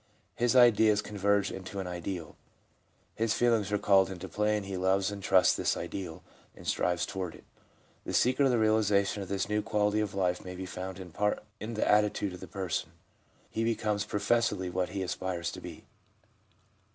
His ideas converge into an ideal. His feelings are called into play, and he loves and trusts this ideal, and strives toward it. The secret of the realisation of this new quality of life may be found in part in the attitude of the person. He be comes professedly what he aspires to be.